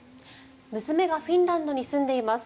娘がフィンランドに住んでいます。